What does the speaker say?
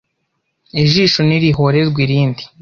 Ijisho nirihorerwa irindi,